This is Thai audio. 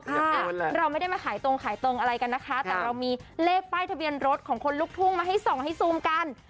เราไม่ได้มาขายตรงขายตรงอะไรกันนะคะแต่เรามีเลขป้ายทะเบียนรถของคนลุกทุ่งมาให้ส่องให้ซูมกัน